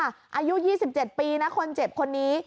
อายุ๒๗ปีนะคนเจ็บคนนี้